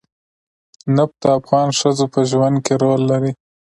نفت د افغان ښځو په ژوند کې رول لري.